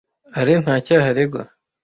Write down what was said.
Alain nta cyaha aregwa.